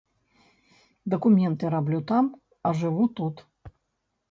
Дакументы раблю там, а жыву тут.